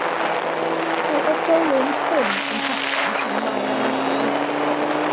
Mae'r oedolyn hwn yn hedfan rhwng Mai a Medi.